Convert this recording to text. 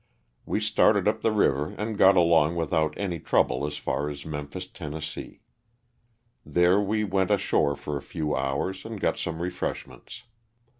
We started up the river and got along without any trouble as far as Mem phis, Tenn. There we went ashore for a few hours and got some refreshments.